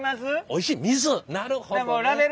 なるほどね。